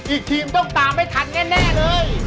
อีกทีมต้องตามให้ทันแน่เลย